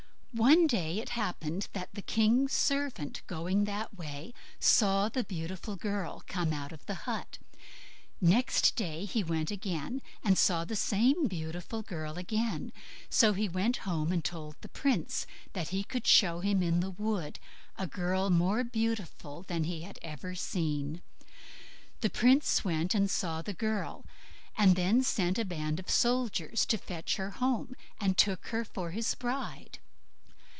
One day it happened that the king's servant, going that way, saw the beautiful girl come out of the hut. Next day he went again and saw the same beautiful girl again. So he went home and told the prince that he could show him in the wood a girl more beautiful than he had ever seen. The prince went and saw the girl, and then sent a band of soldiers to fetch her home, and took her for his bride.